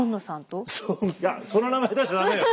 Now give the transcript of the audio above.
その名前出しちゃ駄目だよ。